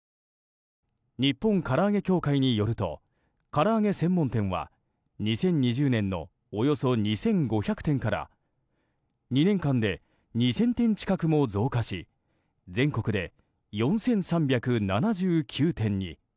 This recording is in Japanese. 日本唐揚協会によるとから揚げ専門店は２０２０年のおよそ２５００店から２年間で２０００店近くも増加し全国で４３７９店に。